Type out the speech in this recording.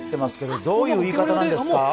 どういう言い方なんですか？